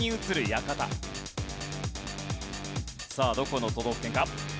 さあどこの都道府県か？